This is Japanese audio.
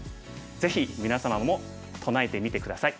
ぜひ皆様も唱えてみて下さい。